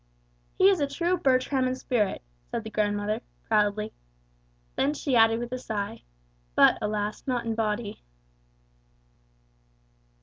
"He is a true Bertram in spirit," said the grandmother, proudly; then she added with a sigh, "but, alas, not in body."